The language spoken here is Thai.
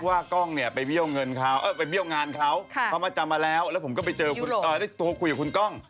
ว่าก้องเนี่ยไปเบี้ยวงานเขาเขามาจำมาแล้วแล้วผมก็ไปเจอโทรคุยกับคุณก้อง